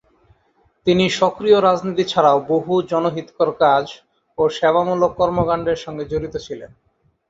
তিনি সক্রিয় রাজনীতি ছাড়াও বহু জনহিতকর কাজ ও সেবামূলক কর্মকান্ডের সঙ্গে জড়িত ছিলেন।